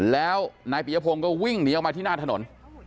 แล้วนายปียพงศ์ก็วิ่งหนีออกมาที่หน้าถนน